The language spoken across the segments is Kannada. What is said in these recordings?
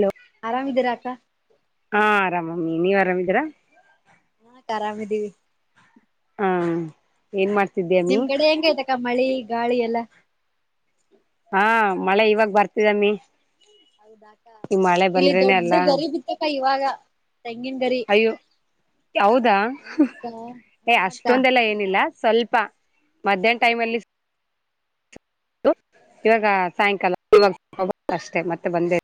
ಹಲೋ. ಆರಾಮ್ ಇದೀರಾ ಅಕ್ಕ. ಹಾ ಆರಾಮಮ್ಮಿ ನೀವ್ ಆರಾಮಿದೀರಾ. ಆರಾಮದೀವಿ. ಹಾ- ಏನ್ ಮಾಡ್ತಿದ್ದೇ. ನಿಮ್ ಕಡೆ ಹೆಂಗ ಐತಕ್ಕ ಮಳಿ ಗಾಳಿ ಎಲ್ಲಾ. ಹಾ ಮಳೆ ಇವಾಗ ಬರ್ತಿದಮ್ಮಿ. ಹೌದಾಕ ಈ ಮಳೆ ಇಲ್ಲಿ ಬಂದ್ರೇನೆ ದೊಡ್ಡ ಅಲ್ಲ ಗರಿ ಬಿತ್ತಕ್ಕ ಇವಾಗ ತೆಂಗಿನ ಗರಿ. ಅಯ್ಯೋ ಹೌದಾ ಹೌದಾ ಏ ಹಾ ಅಕ್ಕ ಅಷ್ಟೊಂದೆಲ್ಲ ಏನಿಲ್ಲ. ಸ್ವಲ್ಪ ಮಧ್ಯಾಹ್ನ ಟೈಮಲ್ಲಿ. ಇವಾಗ ಸಾಯಂಕಾಲ ಅಷ್ಟೇ ಮತ್ತೆ ಬಂದೇ.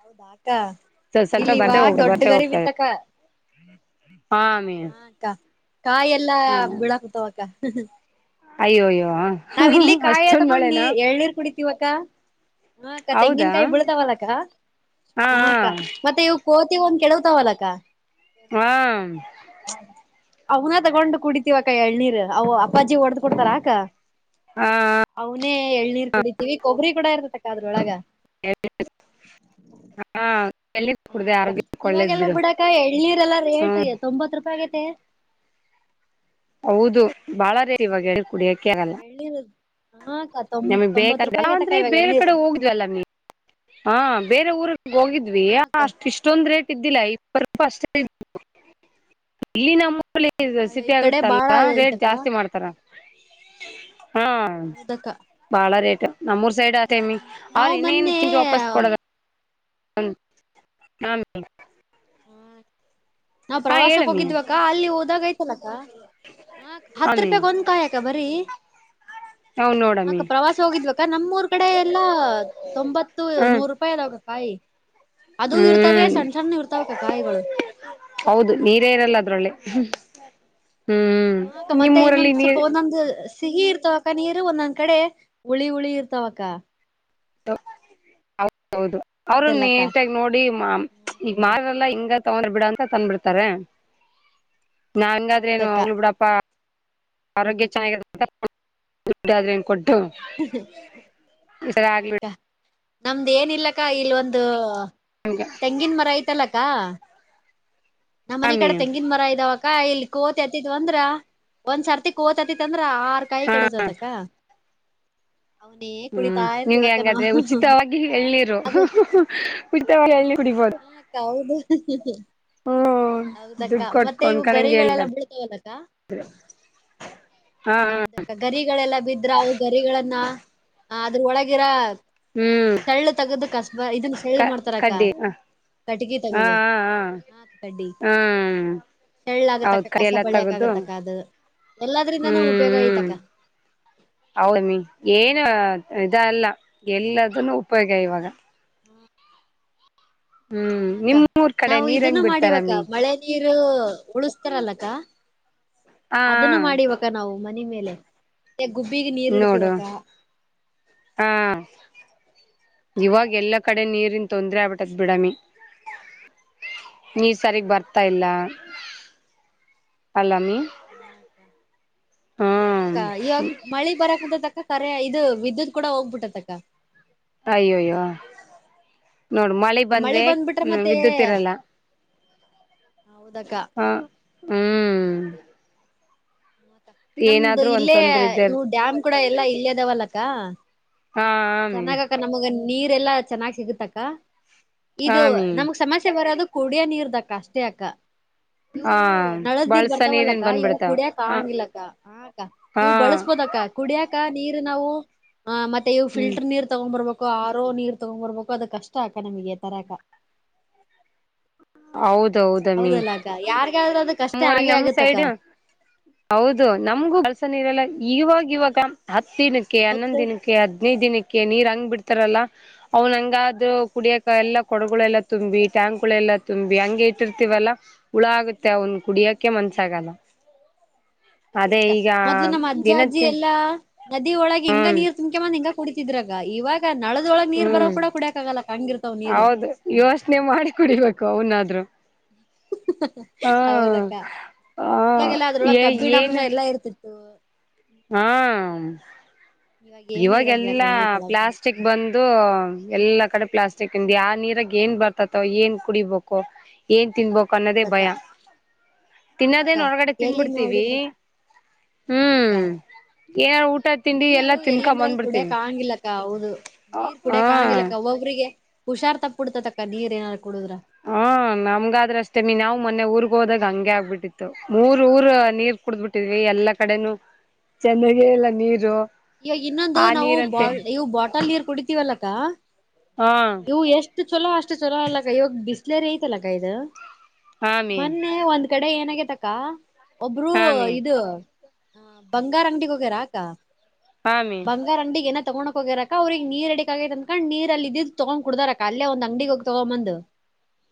ಹೌದಾಕ ಸ್ವಲ್ಪ ಇಲ್ಲಿ ಇವ ಬರ್ತೆ ಹೋಗ ದೊಡ್ಡ ಬರ್ತೆ ಗರಿ ಹೋಗ್ತದೆ ಬಿತ್ತಕ್ಕ. ಹಾ ಅಮ್ಮಿ ಹಾ ಅಕ್ಕ ಕಾಯ ಎಲ್ಲಾ ಹ್ಮ ಬಿಲಕತ್ವಕ್ಕ. ಅಯ್ಯೋ ಯ್ಯೋ. ನಾವ್ ಇಲ್ಲಿ ಕಾಯ ತಗೊಂಡ್ ಎಳನೀರು ಕುಡಿತವಿ. ಹೌದಾ ತೆಂಗಿನಕಾಯ ಬಿಳತವ್ವಲಕ್ಕ ಹಾ ಅಕ್ಕ ಮತ್ತೆ ಇವು. ಕೋತಿ ಒಂದು ಕೆಡ್ತವಲ್ಲಕ್ಕ. ಹಾ ಹಾ ಅವನ ತಗೊಂಡು ಕುಡಿತೀವ ಕ ಎಳ್ನೀರ್ ಅವ ಅಪ್ಪಾಜಿ ಹೊಡ್ದ್ ಕೊಡ್ತಾರಾಕ. ಹಾ- ಅವನೇ ಎಳ್ನೀರ್ ಕುಡಿತೀವಿ ಕೊಬ್ಬರಿ ಕೂಡ ಇರ್ತತಕ್ಕ ಅದ್ರೊಳಗ. [inaudible] ಹಾ ಎಲ್ಲಿ ಹಾ ಕುಡ್ದ ಅಕ್ಕ ಆರೋಗ್ಯ ಒಳ್ಳೇದ್ ಇವಾಗೆಲ್ಲ ಬಿಡು ಬಿಡಕ್ಕ ಎಳ್ನೀರೆಲ್ಲಾ ಹ್ಮ. ರೇಟ್ ತೊಂಬತ್ ರೂಪಾಯಿ ಆಗೇತೆ ಹೌದು ಬಾಳ ರೇ ಇವಾಗ ಕುಡಿಕೆ ಆಗಲ್ಲ. ಎಳ್ಳರು ಹಾಕ್ಕ ತುಂಬತ್ತು ರೂಪಾಯಿ ರೂಪಾಯಿ ಆಗತಕ್ಕ ಇವಾಗ ಎಳ್ಳಿರು. ಲ್ಲ ಹ ಬೇರೆ ಊರ್ ಹೋಗಿದ್ವಿ ಹಾ ಅಕ್ಕ ಅಷ್ಟ ಇಷ್ಟೊಂದು ರೇಟ್. ಇದ್ದಿಲ್ಲ ಇಪ್ಪತ್ತು ರುಪಾಯಿ ಅಷ್ಟೇ ಇದ್ದವು ಇಲ್ಲಿ. ಫುಲ್ ಇದ ಅಯ್ಯೋ ಸಿಟಿ ಈ ಕಡೆ ಬಾಳ ಆಗುತ್ತಲ್ಲ ರೇಟ್ ಐತಕ್ಕ ಜಾಸ್ತಿ ಮಾಡ್ತಾರ. [inaudible] ಹಾ ಹೌದಕ್ಕ ಬಾಳ ರೇಟ್ ನಮ್ಮೂರ್ ಸೈಡ್ ಅದೇ ಅಮ್ಮಿ ಅವ್ರ ನಾವು ಇನ್ನೇನ್ ಮೊನ್ನೆ ಚಿಂಜ ವಾಪಸ್ ಕೊಡಲ್ಲ. [inaudible] ಹಲೋ ಹಾ ಮೇಡಂ? [inaudible] ನಾವ ಪ್ರವಾಸಕ್ ಹೇಳಮ್ಮಿ ಹೋಗಿದವ ಅಕ್ಕಾ ಅಲ್ಲಿ ಹೋದಾಗ ಐತಲಕ್ಕ ಹತ್ತ ಆಮಿ ರೂಪಾಯಿಗ ಒಂದ್ ಕಾಯಿ [inaudible] ಕಬರಿ. [inaudible] ಅವ್ ನೋಡಮ್ಮಿ ಮತ್ತ ಪ್ರವಾಸ ಹೋಗಿದ್ವ ಅಕ್ಕಾ ನಮ್ಮೂರ್ ಕಡೆ ಎಲ್ಲಾ ತೊಂಬತ್ತು ಹ್ಮ್ ನೂರು [inaudible] ರೂಪಾಯಿ ಅದಾವ ಕಾಯಿ ಅದು ಇರ್ತವೆ ಹ್ಮ್ ಸಣ್ಣ ಸಣ್ಣ ಇರ್ತಾವ ಅಕ್ಕ ಕಾಯಿಗಳು [inaudible] ಹೌದು ನೀರೇ ಇರಲ್ಲ ಅದರಲ್ಲಿ ಹೂ [inaudible] ಹ ಅಕ್ಕ ಮತ್ತೆ ಇನ್ನೊಂದ್ ಸ್ವಲ್ಪ ಹೋದಂಗ [inaudible] ಸಿಹಿ ಇರ್ತವ ಅಕ್ಕ ನೀರು ಒಂದೊಂದ್ ಕಡೆ ಹುಳಿ ಹುಳಿ ಇರ್ತವ ಅಕ್ಕ. [inaudible] ತೋ ಹೌದ ಹೌದು ಅವರು ಹೌದಲ್ಲಕ್ಕ ನೀಟಾಗಿ ನೋಡಿ ಮಾ [inaudible] ಈಗ ಮಾರರೆಲ್ಲ ಇಂಗ ತಗೊಂಡ್ರ ಬಿಡ ಅಂತ ತಂದ ಬಿಡ್ತಾರೆ. [inaudible] ನನ್ನಗ ಆದರೆ ಏನು ಹೌದಕ್ಕ ಹೋಗಲಿ ಬಿಡಪ್ಪಾ. [inaudible] ಆರೋಗ್ಯ ಚೆನ್ನಾಗಿರುತ್ತೆ ತುಟ್ಟಿ ಆದರ ಏನ್ ಕೊಡ [inaudible] ಹ ಆಗ್ಲಿ ಬಿಡು ಅಕ್ಕಾ ನಮ್ದ ಏನಿಲ್ಲ ಅಕ್ಕಾ ಇಲ್ಲ ಒಂದು [inaudible] ಹಂಗ [inaudible] ತೆಂಗಿನ ಮರ ಐತಲ್ಲ ಅಕ್ಕಾ? [inaudible] ನಮ್ಮ ಮನೆ ಸ್ವಾಮಿ ಕಡೆ ತೆಂಗಿನ ಮರ ಇದಾವ ಅಕ್ಕಾ ಇಲ್ಲಿ ಕೋತಿ ಹತ್ತಿದ್ ಅಂದ್ರ ಒಂದ್ಸರ್ತಿ ಕೋತ ಹತ್ತಿದ್ [inaudible] ಹತ್ತಿತಂದರ ಆರ್ ಕಾಯಿ ಹಾ ಕೆಡೋತದ ಅಕ್ಕಾ. [inaudible] ಹೂ ನಿಮ್ಗೆ ನಾವು ಹೆಂಗಾದ್ರೆ ಉಚಿತವಾಗಿ ಎಳ್ನೀರ್ ಅದು ಉಚಿತವಾಗಿ ಎಳ್ನೀರು ಕುಡಿಬೋದು. [inaudible] [unintelligible] ಹ ಅಕ್ಕ ಹೌದು? [inaudible] [unintelligible] ಹೂ ಹೌದಕ್ಕ ದುಡ್ಡು ಕೊಟ್ಟ ಮತ್ತೆ ಕೊಂಡ ಇವು ಕೊಂಡಂಗೆ ಗರಿಗಳೆಲ್ಲ ಹೇಳ್ತಾರೆ. ಬೀಳ್ತಾವಲ್ಲಕ್ಕ [inaudible] ಹಾ ಹ [inaudible] ಹೌದಕ್ಕ ಗರಿಗಳೆಲ್ಲ ಬಿದ್ರ ಅವ ಗರಿಗಳನ್ನ ಅದ್ರ ಒಳಗಿರ ಹ್ಮ್ [inaudible] ತೇಳ್ಳ ತಗದ ಕಸ್ಬ ಇದನ್ನ ಸಳ್ಳ ಕ ಮಾಡ್ತಾರ ಅಕ್ಕಾ ಕಡ್ಡಿ ಹ ಕಟ್ಟಿಗಿ ಹಾ ತಗದ. [inaudible] ಹಾ ಡಿ ಹಾ ಹ್ಮ್ ಸೇಳ್ಳ ಆಗುತ್ತ ಹೌದ್ ಅಕ್ಕಾ ಕೈ ಕಸ ಎಲ್ಲ ಬಳಿಯಕ ತಗದು ಆಗುತ್ತ ಅಕ್ಕಾ ಅದು. [inaudible] ಎಲ್ಲದ್ರಿಂದ ನಾ ಉಪಯೋಗ ಐತ ಅಕ್ಕಾ. [inaudible] [inaudible] ಅವ ನಿಂಗ ಏನ್ ಇದ ಅಲ್ಲ ಎಲ್ಲದನು ಉಪಯೋಗ ಇವಾಗ? [inaudible] ಹ [inaudible] ಹಾ ಹ್ಮ್ ಅಕ್ಕಾ ನಿಮ್ಮೂರ್ ಕಡೆ ನಾವು ನೀರ್ ಹೆಂಗ್ ಇದನ್ನು ಮಾಡಿವ ಅಕ್ಕ ಬಿಡ್ತಾರಮ್ಮಿ ಮಳೆ [inaudible] ನೀರು ಉಳಸ್ತಾರಲ್ಲ ಅಕ್ಕ ಹಾ ಅದನ್ನು ಮಾಡಿವ ಅಕ್ [inaudible] ಅಕ್ಕ ನಾವು ಮನೆ ಮೇಲೆ ಗುಬ್ಬಿಗೆ ನೀರ್ ಇಡ್ತಿವ ನೋಡು ಅಕ್ಕಾ. [inaudible] ಹಾ [inaudible] ಇವಾಗ ಎಲ್ಲಾ ಕಡೆ ನೀರಿನ್ ತೊಂದ್ರೆ ಆಗಬಿಟ್ಟದ ಬಿಡಮಿ. [inaudible] ನೀರ ಸರಿಗ್ ಹೌದಕ್ಕ ಬರ್ತಾ ಇಲ್ಲ ಅಲ್ಲಾ ಅಮಿ. [inaudible] ಹಾ ಅಕ್ಕ ಹಾ ಅಕ್ಕ ಇವಾಗ [inaudible] [unintelligible] ಮಳಿ ಬರಕ್ಕ ಕುಂತದ ಅಕ್ಕ ಕರೆ ಇದು ವಿದ್ಯುತ್ ಕೂಡ ಹೋಗಬಿಟ್ಟತ ಅಕ್ಕ. [inaudible] ಅಯ್ಯೋಯ್ಯೋ ನೋಡ ಮಳೆ ಮಳಿ ಬಂದ್ರೆ ಬಂದ್ಬಿಟ್ರ ಮತ್ತೆ ವಿದ್ಯುತ್ ಇರಲ್ಲ. [inaudible] ಹೌದ ಅಕ್ಕಾ? [inaudible] ಹಾ ಹೂ [inaudible] ನಮ್ದು ಏನಾದ್ರೂ ಒಂದ್ ಇಲ್ಲೇ ತೊಂದ್ರೆ ಇದ್ದೇ ಇರ್ ಇವು ಡ್ಯಾಮ್ ಕೂಡ ಎಲ್ಲಾ ಇಲ್ಲೇದಾವಲ್ಲ ಅಕ್ಕಾ? [inaudible] ಹಾ [inaudible] ಚೆನ್ನಾಗಕ ನಮಗ ನೀರೆಲ್ಲಾ ಚೆನ್ನಾಗ್ ಸಿಗತ್ತ ಅಕ್ಕಾ ಇದು ಆಮಿ ನಮಗ್ ಸಮಸ್ಯೆ ಬರೋದು. [inaudible] ಕುಡಿಯ ನೀರದ ಅಕ್ಕಾ ಅಷ್ಟೇ ಅಕ್ಕಾ. [inaudible] ಹಾ ಇವರು ನಳದ್ದ್ ನೀರ್ ಬಳ್ಸ ನೀರಿನ್ ಬರ್ತಾವಲ್ಲಕ್ಕ ಇವು ಬಂದ್ಬಿಡ್ತಾವ ಕುಡಿಯಾಕ ಹ ಆಂಗಿಲ್ಲಕ್ಕ ಹಾ ಅಕ್ಕಾ ಹಾ ಇವ್ ಬಳಸ್ಬೋದಕ್ಕಾ ಕುಡಿಯಾಕ ನೀರು ನಾವು ಮತ್ತೆ ಇವು ಹ್ಮ್ ಫಿಲ್ಟರ್ ನೀರ್ ತಗೊಂಡ್ ಬರ್ಬೇಕು ಆರೋ ನೀರ್ ತಗೊಂಡ್ ಬರ್ಬೇಕು ಅದ ಕಷ್ಟ ಅಕ್ಕಾ ನಮಗೆ ತರಾಕ. ಹೌದೌದಮ್ಮಿ ಹೌದಲ್ಲ ಅಕ್ಕ ಯಾರಿಗಾದ್ರೂ ಅದ [unintelligible] ಕಷ್ಟ ಮೊರಿಲಿ ಆಗೇ ನಮ್ಮ್ ಆಗತ್ತಕ್ಕ ಸೈಡ್ ಹೌದು ನಮಗು [unintelligible] ಇರಲ್ಲ ಹಾ ಅಕ್ಕ ಇವಾಗ ಇವಾಗ ಹತ್ತಿನ ಕ್ಕೆ ಹನ್ನೊಂದ್ ಮೊದ್ಲು ದಿನಕ್ಕೆ ಹದ್ನೈದ ದಿನಕ್ಕೆ ನಮ್ಮ ನೀರ್ ಹಂಗ್ ಬಿಡ್ತ ತರಲ್ಲ ಅವ್ನ್ ಹಂಗಾದ ಕುಡಿಯಕ ಎಲ್ಲಾ ಕೊಡಗುಳೆಲ್ಲ ತುಂಬಿ ಟ್ಯಾಂಕ್ ಗಳೆಲ್ಲ ತುಂಬಿ ಹಂಗೆ ಇಟ್ಟಿರ್ತವಲ್ಲಾ ಹುಳ ಆಗುತ್ತೆ ಅವನ್ ಕುಡಿಯಕೆ ಹಾ ಅಕ್ಕ ಮನ್ಸಾಗಲ್ಲ [inaudible] ಅದೇ ಹೌದಕ್ಕ ಈಗ ಮೊದ್ಲು ನಮ್ಮ್ ಅಜ್ಜಾ ಅಜ್ಜಿ ದಿನಕ್ಕೆ ಎಲ್ಲಾ ನದಿ ಒಳಗೆ ಹಿಂಗ ಹ್ಮ್ ನೀರ್ ತುಂಮಕೆ ಬಂದ್ ಹಿಂಗ ಕುಡಿತಿದ್ರಕ್ಕಾ ಇವಾಗ ನಳದೊಳಗ್ ನೀರ್ ಹ್ಮ್ ಬರೊವ್ ಕೂಡ ಕುಡಿಯಕ್ಕಾಗಲ್ಲ ಅಕ್ಕಾ ಹಂಗಿರ್ತಾವ ನೀರ್. ಹೌದು ಯೋಚನೆ ಮಾಡಿ ಕುಡಿಬೇಕು ಅವನಾದ್ರು ಹ ಹಾ. ಹೌದಕ್ಕ ಹ ಮೊದ್ಲಾಗೆಲ್ಲ ಅದ್ರೊಳ್ಗ ಕಬ್ಬಿಣಾಂಶ ಎಲ್ಲಾ ಇರ್ತಿತ್ತು ಹಾಂ ಇವಾಗ [unintelligible] ಏನು ಇರಂಗಿಲ್ಲಕ್ಕ ಇವಾಗೆಲ್ಲಾ ಪ್ಲಾಸ್ ನೀರ್ದೊಳಗ ಪ್ಲಾಸ್ಟಿಕ್ ಬಂದು ಎಲ್ಲಾ ಕಡೆ ಪ್ಲಾಸ್ಟಿಕ್ ಇಂದ ಆ ನೀರಾಗ ಏನ್ ಬರ್ತತೊ ಏನ್ ಕುಡಿಬೇಕೊ ಏನ್ ತಿನ್ಬೇಕು ಅನ್ನೋದೇ ಹೌದಕ್ಕ ಭಯಾ. ಹಾ ಅಕ್ಕ ತಿನ್ನದೇನ್ ಹೊರಗಡೆ ಎಲ್ಲಿ ತಿನ್ಬಿಡ್ತೀವಿ [unintelligible] ನೋಡಿದ್ರು ಹಾ ಅಕ್ಕ ಹ್ಮ್ ಏನಾರ್ ಊಟ ತಿಂಡಿ ಎಲ್ಲಾ ನೀರು ತಿನ್ಕೊ ಎಲ್ಲಂದ್ರಲ್ಲಿ ಬಂದ್ಬಿಡ್ತೀವಿ ಕೂಡಿಯಕ್ ಆಗಂಗಿಲಕ್ಕಾ ಹೌದು ನೀರ್ ಹ ಕುಡೆಕ ಆಗಂಗಿಲಕ್ಕಾ ಒಬ್ಬರಿಗೆ ಹುಷಾರ್ ತಪ್ಪಿಡ್ತತೆತಕ್ಕಾ ನೀರ್ ಏನಾರ ಕುಡುದ್ರ ಹ ನಮ್ಗಾದ್ರ ಅಷ್ಟೇನೇ ನಾವು ಮೊನ್ನೆ ಊರ್ಗ್ ಹೋದಾಗ ಹಂಗೆ ಆಗ್ಬಿಟ್ಟಿತ್ತು ಮೂರ್ ಊರ್ ನೀರ್ ಕುಡಬಿಟ್ಟಿದ್ವಿ ಎಲ್ಲಾ ಕಡೆನೂ ಚೆನ್ನಾಗೇ ಇಲ್ಲಾ ನೀರು. ಯ ಇನ್ನೊಂದು ಆ ನಾವು ನೀರಂತೆ ಬಾಳ್ ಇವು ಬಾಟಲ್ ನೀರ್ ಕುಡಿತೀವಲ್ಲಕ್ಕಾ ಹಾ. ಎಷ್ಟು ಚಲೋ ಅಷ್ಟು ಚೊಲೋ ಅಲ್ಲಕ್ಕಾ ಇವಾಗ ಬಿಸ್ಲೇರ್ ಐತಲ್ಲಕ್ಕ ಇದ ಹಾ [inaudible] ಮಿ ಮೊನ್ನೆ ಒಂದ್ ಒಂದ್ ಕಡೆ ಏನಾಗೇತಕ್ಕಾ ಒಬ್ಬರು ಹಾ ಮಿ ಇದ ಹ ಬಂಗಾರ ಅಂಗಡಿಗೆ ಹೋಗ್ಯಾರ ಅಕ್ಕಾ [inaudible] ಆಮೀನ್ ಬಂಗಾರ ಅಂಗಡಿಗ್ ಏನ ತಗೋಣಕ್ ಹೋಗ್ಯಾರ ಅಕ್ಕ ಅವ್ರಗ್ ನೀರ್ ಅಡಿಕ್ ಆಗೈಅಂದಕೊಂಡ್ ಅವರಿಗೆ ನೀರ್ ಡಿಕೆ ಆಗೆತಿ ಅನ್ಕೊಂಡ ನೀರ್ ಅಲ್ಲಿ ಇದ್ದಿದ ತಗೊಂಡ್ ಕುಡ್ದಾರ ಅಕ್ಕಾ ಅಲ್ಲೆ ಒಂದು ಅಂಗಡಿಗೋಗಿ ತೊಗೊಂಬಂದು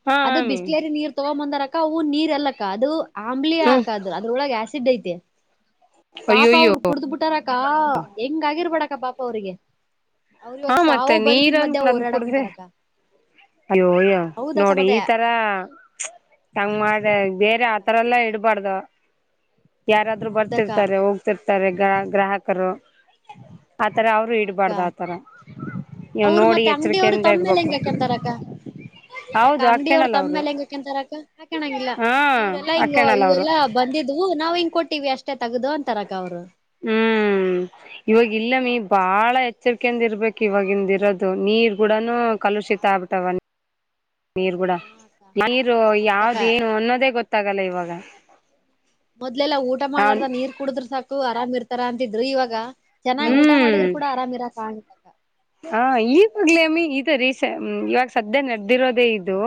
ಹಾ ಅದ ಆಮೀನ್ ಬಿಸ್ಲೇರಿ ನೀರ್ ತೊಂಬಂದಾರಕ್ಕ ಅವು ನೀರ್ ಅಲ್ಲಕ್ಕ ಅದು ಆಮ್ಲಿಯ ಹ್ಮ್ ಅಕ್ಕಾ ಅದ ಅದ್ರೊಳಗೆ ಆಸಿಡ್ ಐತೆ ಪಾಪಾ ಅಯ್ಯೋಯ್ಯೋ ಅವರು ಕುಡ್ದ್ ಬಿಟ್ಟಾರಕ್ಕಾ ಹೆಂಗ ಆಗಿರ್ಬೇಡಕ್ಕ ಪಾಪ ಅವ್ರೀಗೆ. ಅವ್ರ ಇವಾಗ ಸಾವು ಬದುಕಿನ ಮಧ್ಯೆ ಹೊರಾಡಾ [unintelligible] ಅಯ್ಯೋಯೊ ಹೌದಕ್ಕ ನೋಡ್ ಈ ತರಾ ತಂಗ್ ಮಾಡೆ ಬೇರೆ ಮತ್ತೆ ಆತರ ಎಲ್ಲಾ ಇಡ್ಬಾರ್ದ [inaudible] ಯಾರಾದ್ರು ಹೌದಕ್ಕ ಬರ್ತಿರ್ತಾರೆ ಹೋಗ್ ರ್ತಿರ್ತಾರೆ ಗ್ರಾಹಕರು ಆತರ ಅವರು ಇಡ್ಬಾರ್ದ ಆತ ಅವರು ಮತ್ತೆ ಅಂಗಡಿಯರು ಎಚ್ಚರಿಕೆಯಿಂದ ತಮ್ಮ್ ಮೇಲೆ ಇರ್ಬೇಕು ಹೆಂಗಾಕ್ಕೆಂತಾರಕ್ಕಾ. ಅಲ್ಲಕ್ಕಾ ಹೌದು ಅಂಗಡಿಯರ್ ಅವ್ರು ಅಕ್ಕಣಲ್ಲ ತಮ್ಮ ಅವರು ಮೇಲೆ ಹೆಂಗ ಹಾಕಂತಾರಕ್ಕ ಹಾಕಣಂಗಿಲ್ಲ ಹಾ ಇವ್ರರೆಲ್ಲಾ ಹಿಂಗ ಅಕ್ಕಣಲ್ಲ ಅವರು ಇವೆಲ್ಲಾ ಬಂದಿದ್ವು ನಾವ್ ಹಿಂಗ್ ಕೊಟ್ಟೀವಿ ಅಷ್ಟೇ ತಗದು ಅಂತರಕ್ಕಾ ಅವ್ರು ಹ್ಮ್ ಇವಾಗ ಇಲ್ಲಮಿ ಬಾಳ ಎಚ್ಚರಿಕೆಯಿಂದ್ ಇರ್ಬೇಕ್ ಇವಾಗಿಂದ ಇರೋದು. ನೀರ್ ಕೂಡನು ಹೌದಕ್ಕ ಕಲುಷಿತ ಬಾಳ್ ಆಬಿಟ್ಟಾವ [inaudible] ನೀರ್ ಕೂಡ ಹಾ ಅಕ್ಕ ನೀರು ಹೌದಕ್ಕ ಯಾವ್ದೇನು ಅನ್ನೋದೇ ಗೊತ್ತಾಗಲ್ಲ ಇವಾಗ. ಮೊದ್ಲೆಲ್ಲಾ ಊಟ ನಾನ್ ಮಾಡಲಾರ್ದ ನೀರ್ ಕುಡಿದ್ರ ಸಾಕು ಆರಾಮ್ ಇರ್ತಾರ ಅಂತಿದ್ರರು ಇವಾಗ ಚೆನ್ನಾಗ್ ಊಟ ಹ್ಮ್ ಮಾಡಿದ್ರು ಕೂಡ ಆರಾಮ್ ಇರಾಕ್ ಆಗಂಗಿಲ್. ಹಾ ಈವಾಗ್ಲೇಮ್ಮಿ ಇದ ರೀಸ ಇವಾಗ ಸದ್ಯ ನಡ್ದಿರೋದೇ ಇದು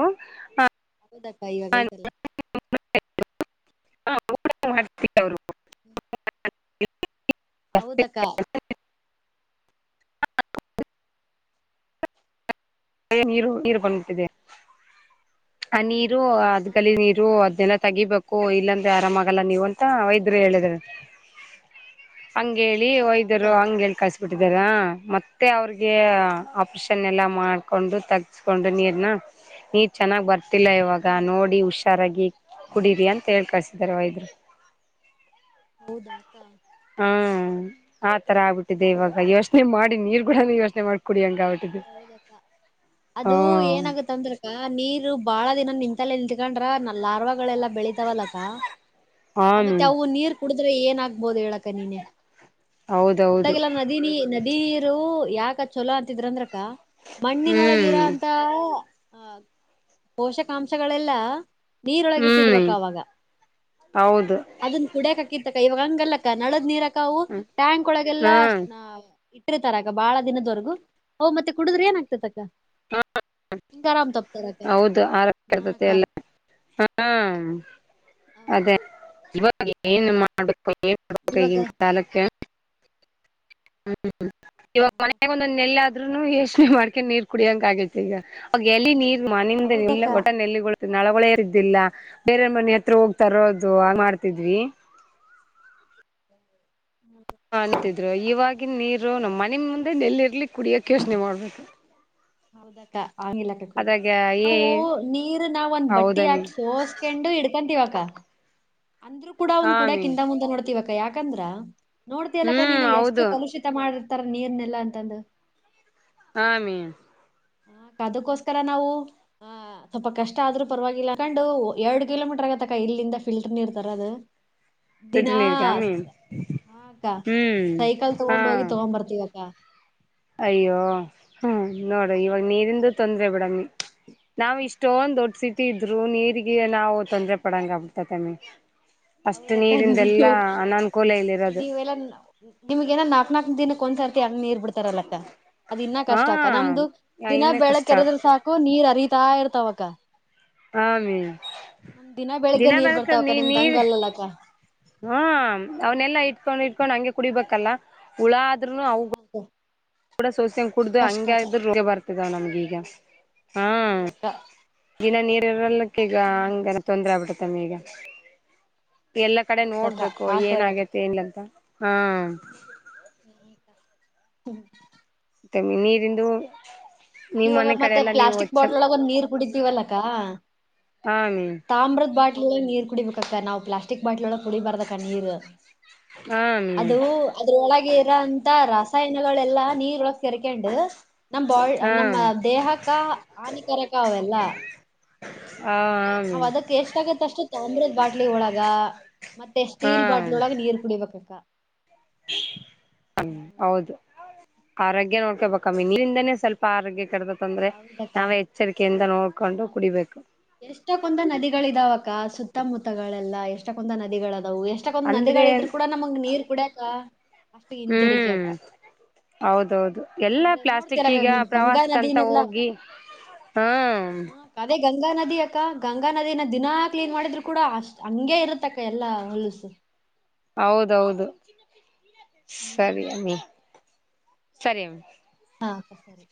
ಹೌದಕ್ಕಾ ಇವಾಗ ಐತಲ್ಲ. [unintelligible] [inaudible] ಹೌದಕ್ಕ. ನೀರು ನೀರು ಬಂದುಬಿಟ್ಟಿದ್ದೆ. ಆ ನೀರು ಹಾ ಅದ್ಕಲ್ಲಿ ಅಕ್ಕ ನೀರು ಅದ್ನೆಲ್ಲ ತೆಗಿಬೇಕು. ಓ ಇಲ್ಲಂದ್ರೆ ಆರಾಮ್ ಆಗಲ್ಲ ನೀವ ಅಂತ ವೈದ್ಯರು ಹೇಳಿದ್ರು ಅಂತೆ. ಹಂಗ ಹೇಳಿ ಹೌದಾ ಅಕ್ಕ ವೈದ್ಯರಿ ಹಂಗ ಹೇಳಿ ಕಳಿಸವ್ರೆ. ಬಿಟ್ಟಿದಾರ ಮತ್ತೆ ಅವ್ರಿಗೆ ಆಪ್ಷನ್ ಎಲ್ಲ ಮಾಡ್ಕೊಂಡು. [unintelligible] ಚೆನ್ನಾಗ್ ಬರ್ತಿಲ್ಲ ಇವಾಗ ಹ್ಮ್ ನೋಡಿ ಹುಷಾರಾಗಿ ಕುಡೀರಿ ಅಂತ ಹೇಳ್ ಕಳ್ಸಿದಿದ್ದಾರೆ ವೈದ್ರು. [inaudible] ಹ್ಮ ಆತರ ಆಗ್ಬಿಟ್ಟಿದೆ ಇವಾಗ ಯೋಚನೆ ಮಾಡಿ ನೀರ್ ಕೂಡ ಯೋಚನೆ ಮಾಡ್ಕ ಕುಡಿ ಹಂಗ ಅವ. ಹೌದಕ್ಕ ಅದು ಏನಾಗತ್ತ ಅಂದ್ರೆ. ಅ ನೀರು ಬಾಳ ದಿನ ನಿಂತಲ್ಲ ನಿಲ್ತ್ಕೊಂಡ್ರ ಲಾರ್ವಾಗಗಳೆಲ್ಲಾ ಬೆಳಿತಾವಲ್ಲಕ್ಕ. ಹನು ಮತ್ತೆ ಅವು ನೀರ್ ಕುಡ್ರೆ ಏನಾಗಗ್ಬೋದು ಹೇಳಕ ನೀನೆೇ. ಹೌದೌದು ಮೊದಲಾಗಲ್ಲಾ ನದಿನಿ ನದಿ. ನದಿ ನೀರು ಯಾಕ ಚೊಲೋ ಅಂತಿದ್ರ ಅಂದ್ರಕ ಮಣ್ಣಿನೊಳಗಿರ ಹ್ಮ್ ಅಂತ. ಪೋಷಕಾಂಶಗಳೆಲ್ಲಾ. ಹ್ಮ್ ನೀರೊಳಗಿರ್ತಿದ್ವಕ ಅವಾಗ ಹೌದು ಅದನ್. ಕುಡಿಯಕಕಿತ್ತಕ್ಕ ಇವಾಗ ಹಂಗಲ್ಲಕ್ಕ ನಳದ್ ನೀರಕ್ಕವು ಟ್ಯಾಂಕ್ ಒಳಗೆಲ್ಲ ಹಾ ಅ. ರ್ತಾರ ಅಕ್ಕ ಬಾಳ ದಿನದವರೆಗೂ ಅವು ಮತ್ತೆ ಕುಡುದ್ರ ಏನಾಗಗ್ತಕ್ಕ. ಹಾ ಹೌದು ಆರೋಗ್ಯ ಇರ್ತತಿ ಅಕ್ಕಾ ಎಲ್ಲ ಹಾ ಅದೇ ಈವಾಗ. [unintelligible] ಇವಾಗ ಹ್ಮ ಇವಾಗ ಮನೆಗೆ ಒಂದೊಂದು ನಲ್ಲಿ. ರು ಯೋಚನೆ ಮಾಡ್ಕೊಂಡ ನೀರ್ ಕುಡಿಯಂಗ ಆಗತೆ ಈಗ ಅವ ಎಲ್ಲಿ ನೀರ್ ಮನಿಂದ ಹೌದಕ್ಕ ಒಟ್ಟನಲ್ಲಿ ನಲ್ಲಿಗಳು. ನಳವಳಿದ್ದಿಲ್ಲ ಬೇರೆಯವ ಮನೆ ಹತ್ರ ಹೋಗಿ ತರೋದು ಹಾಗ ಮಾಡ್ತಿದ್ವಿ [inaudible] ಹ ಅಂತಿದ್ರು ಇವಾಗಿನ ನೀರು ನಮ್ಮ್ ಮನೆ ಮುಂದೆ ನೆಲ್ಲಿರ್ಲಿ ಕುಡಿಯಕ್ ಯೋಚನೆ ಮಾಡ್ಬೇಕು. ಹೌದಕ್ಕ ಆಗ್ಲಕ್ಕ ಕೂಡ ಅದಾಗ ಏ ನಾವು ನೀರ್ ನಾವ ಒಂದ್ ಬಟ್ಟಿ ಹೌದಮ್ಮಿ ಹಾಕಿ. ಕೆಂಡು ಇಡ್ಕಂತೀವ ಅಂದ್ರು ಕೂಡ ಹಾ ಅವ್ನ್ ಕೂಡಿಯಾಕ್ ಅಮ್ಮಿ ಹಿಂದೆ ಮುಂದೆ ನೋಡ್ತಿವಕ್ಕ ಯಾಕ. ಯಾಕಂದ್ರ ನೋಡ್ತಿಲಕ್ಕ ಹ್ಮ್ ನೀನು ಎಷ್ಟು ಹೌದು ಕಲುಷಿತ ಮಾಡಿರ್ತಾರ ನೀರ್ನೆಲ್ಲಾ ಅಂತಂದು. ಹಾ ಮೀ. ಅದಕ್ಕೋಸ್ಕರ ನಾವು. ಸ್ವಲ್ಪ ಕಷ್ಟ ಆದ್ರೂ ಪರವಾಗಿಲ್ಲಕಂಡು ಎರಡ್ ಕಿಲೋಮೀಟರ್ ಆಗತಕ್ಕ ಇಲ್ಲಿಂದ ಫಿಲ್ಟರ್ ನೀರ್ ತರ ಅದು. ಫಿಲ್ಟರ್ ನೀರ್ಗ ಮೀ ಹಾ ಹು ಹ್ಮಾ. ಬರ್ತಿವಕ್ಕ. ಅಯ್ಯೋ ನೋಡ ಇವಾಗ ನೀರಿಂದು ತೊಂದ್ರೆ ಬಿಡಮೀ. ನಾವ್ ಇಷ್ಟೊಂದ ದೊಡ್ಡ ಸಿಟಿ ಇದ್ರು ನೀರಿಗೆ ನಾವು ತೊಂದ್ರೆ ಪಡಾಂಗ ಆಬಿಬಿಟ್ಟಯ್ತಾಮಿ. ಅಷ್ಟು ಹೌದಕ್ಕ ನೀರಿಂದೆಲ್ಲಾ ಅನನುಕೂಲ ಇಲಿರೋದು. ಎಲ್ಲಾ. ನಿಮ್ಗ ನಾಕ್ ನಾಕ್ ದಿನಕ್ಕ ಒಂದ್ಸರ್ತಿ ನೀರ್ ಬಿಡ್ತಾರಲ್ಲಕ್ಕಾ. ಅದ್ ಇನ್ನ ಹಾ ಕಷ್ಟ ಅಕ್ಕ ನಮ್ದು ದಿನ ಇನ್ನ ಕಷ್ಟ ಬೆಳಕ್ ಎರದ್ರ ಸಾಕು ನೀರ್ ಅರಿತಾ ಇರ್ತಾವಕ್ಕ. ಆಮಿ ನಮ ದಿನ ಬೆಳಿಗ್ಗೆ ನೀರ್ ಬೆಳಕಲ್ ಬರ್ತಾವಕ್ಕ ನೀ ನಿಮ್ದ ಹಂಗ ನೀರ್ ಅಲ್ಲಲ್ಲಕ್ಕ. ಹಾ ಅವನೆಲ್ಲಾ ಇಟ್ಕೊಂಡ್ ಇಟ್ಕೊಂಡ್ ಹಂಗೆ ಕುಡಿಬೇಕಲ್ಲ ಹುಳಾದ್ರರುೂ ಅವ. ಕೂಡ ಸೋಸ್ಯಂಗ ಕುಡ್ದು ಕಷ್ಟ ಹಂಗ್ರರು ರೋಗ ಬರ್ತಿದಾವ ನಮ್ಗ ಈಗ. ಹಾ ಅಕ್ಕ ದಿನ ನೀರ್ ಇರಲ್ಲಕಿಗೆ ಹಂಗರ. ತೊಂದ್ರೆ ಆಬಿಡತ್ತೆಮ್ಮಿ ಈಗ ಎಲ್ಲ ಕಡೆ ಹೌದಕ್ಕ ನೋಡ್ಬೇಕು ಆಗ್ತದಕ್ಕ ಏನಗೆ. ತಿ ಇಲ್ಲ ಅಂತ. ಹು ತೇಂಬಗಿ ನೀರಿಂದು. ನಿಮ್ ಇವಾಗ ಮನೆ ಕಡೆ ಮತ್ತೆ ಎಲ್ಲಾ ನೀವು ಪ್ಲಾಸ್ಟಿಕ್ ಒಚ್ಚ ಬಾಟ್ಲ್ ಒಳಗ ಒಂದ ನೀರ್ ಕುಡಿತೀವಲ್ಲಕ್ಕಾ. ಹಾ ಅವಿ ತಾಮ್ರದ ಬಾಟ್ಲ ನೀರ್ ಕುಡಿಬೇಕ ಅಕ್ಕಾ ನಾವ ಪ್ಲಾಸ್ಟಿ. ಸ್ಟಿಕ್ ಬಾಟ್ಲ ಒಳ ಕುಡಿಬಾರದಕ್ಕಾ ನೀರ ಹಾ ಮಿ ಅದು. ಅದ್ರೊಳಗೆ ಇರೋಅಂತಾ ರಾಸಾಯನಗಳೆಲ್ಲಾ ನೀರೊಳಗ ಸೇರ್ಕೊಂಡ ನಮ್ಮ ಬಾಳ್. ಹಾ ನಮ್ಮ ದೇಹಕ್ಕ ಹಾನಿಕರಕ ಅವೆಲ್ಲಾ. ಆ ಆ ನಾವ ಅದಕ ಎಷ್ಟ ಆಗತ್ತ ಅಷ್ಟು ತಾಮ್ರದ ಬಾಟ್ಲಿ ಒಳಗ. ಮತ್ತೆ ಹಾ ಸ್ಟೀಲ್ ಬಾಟ್ಲ್ ಒಳಗೆ ನೀರು ಕುಡಿಬೇಕ್ಕಾ. ಹೌದು ಆರೋಗ್ಯ ನೋಕಡ್ಬೇಕಮ್ಮಿ ಇದರಿಂದಾನೆ ಸ್ವಲ್ಪ ಆರೋಗ್ಯ ಕಡದ ತೊಂದ್ರೆ ಹೌದಕ್ಕ ನಾವೆ ಎಚ್ಚರಿಕೆಯಿಂದ ಹ ನೋಡ್ಕೊಂಡು ಕುಡಿಬೇಕು. ಎಷ್ಟಕ್ಕೊಂದ ನದಿಗಳ ಇದಾವಕ್ಕ ಸುತ್ತಮುತ್ತಗಳೆಲ್ಲಾ ಎಷ್ಟಕ್ಕೊಂದ ನದಿಗಳದಾವು ಎಷ್ಟ. ಅಷ್ಟಕ್ಕೊಂದು ನದಿಗಳ ಅಂದ್ರೆ ಇದ್ರು ಕೂಡ ನಮಗ ನೀರ್ ಕುಡ್ಯಾಕ ಅಷ್ಟು ಹಿಂಜಿರಿಕೆ ಅಕ್ಕಾ. ಹೌದು ಹೌದು ಎಲ್ಲಾ ಪ್ಲಾಸ್ಟಿಕ್ ಅಕ್ಕ ಈಗ ಗಂಗಾ ಪ್ರವಾಸಕ್ಕಂತ ನದಿನೆಲ್ಲಾ ಹೋಗಿ. ಗಿ ಹ ಹ ಅದೇ ಗಂಗಾ ನದಿ ಅಕ್ಕಾ ಗಂಗಾ ನದಿನ ದಿನಾ ಕ್ಲೀನ್ ಮಾಡಿದ್ರು ಕೂಡ ಅಷ್ಟ್ ಹಂಗೆ ಇರತ್ತ ಅಕ್ಕಾ ಎಲ್ಲಾ ಹೋಲುಸು. ಹೌದು ಹೌದು ಸರಿ ಅಮ್ಮಿ ಸರಿ ಅಮ್ಮಿ. ಹಾ ಸರಿ